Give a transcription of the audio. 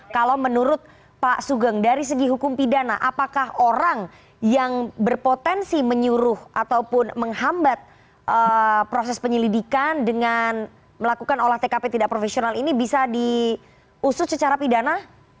kalau menurut pak sugeng dari segi hukum pidana apakah orang yang berpotensi menyuruh ataupun menghambat proses penyelidikan dengan melakukan olah tkp tidak profesional ini bisa diusut secara pidana